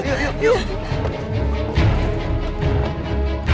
yuk yuk yuk